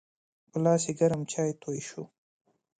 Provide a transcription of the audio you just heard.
په لاس یې ګرم چای توی شو.